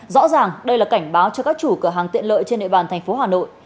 rõ ràng đây là cảnh báo cho các chủ cửa hàng tiện lợi trên địa bàn thành phố hà nội